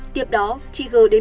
tiếp đó chị gờ đến